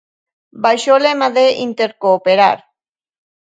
Baixo o lema de "Intercooperar".